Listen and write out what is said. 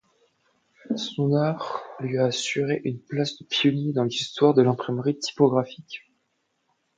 Son art lui a assuré une place de pionnier dans l'histoire de l'imprimerie typographique.